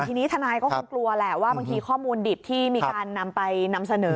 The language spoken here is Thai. ทีนี้ทนายก็คงกลัวแหละว่าบางทีข้อมูลดิบที่มีการนำไปนำเสนอ